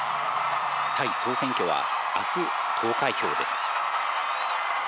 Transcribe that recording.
タイ総選挙はあす、投開票です。